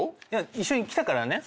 一緒に来たからね。